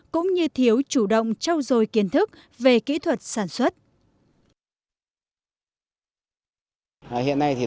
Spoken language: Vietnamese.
cũng như thiếu chủ động trao dồi kiến thức về kỹ thuật sản xuất